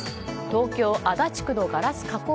東京・足立区のガラス加工